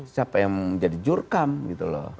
siapa yang menjadi jurkam gitu loh